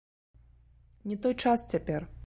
Не той час цяпер!